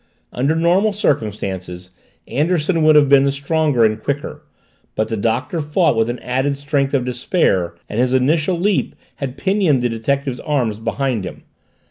Under normal circumstances Anderson would have been the stronger and quicker, but the Doctor fought with an added strength of despair and his initial leap had pinioned the detective's arms behind him.